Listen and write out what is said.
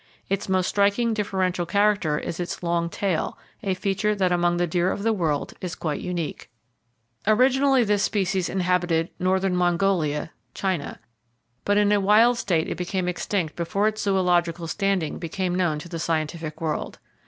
Its most striking differential character is its long tail, a feature that among the deer of the world is quite unique. [Page 36] Originally this species inhabited "northern Mongolia" (China), but in a wild state it became extinct before its zoological standing became known to the scientific world.